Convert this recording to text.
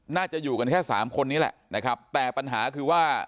น่าจะอยู่กันแค่สามคนนี้แหละนะครับแต่ปัญหาคือว่า